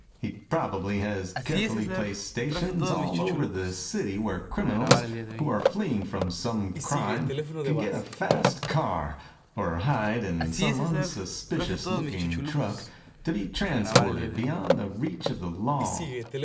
He probably has carefully placed stations all over the city where criminals who are fleeing from some crime can get a fast car, or hide in some unsuspicious looking truck to be transported beyond the reach of the law.